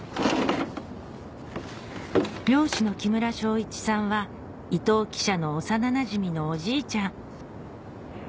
漁師の木村昇一さんは伊藤記者の幼なじみのおじいちゃん